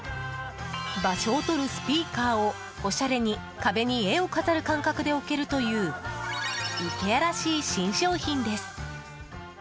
場所をとるスピーカーをおしゃれに壁に絵を飾る感覚で置けるというイケアらしい新商品です。